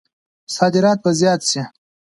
صادرات به زیات شي؟